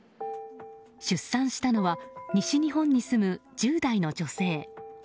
出産したのは西日本に住む１０代の女性。